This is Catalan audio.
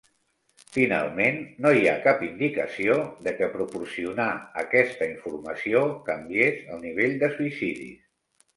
Finalment, no hi ha cap indicació de que proporcionar aquesta informació canviés el nivell de suïcidis.